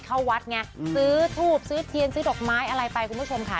เข้าวัดไงซื้อทูบซื้อเทียนซื้อดอกไม้อะไรไปคุณผู้ชมค่ะ